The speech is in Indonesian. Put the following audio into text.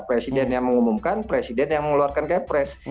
presiden yang mengumumkan presiden yang mengeluarkan kepres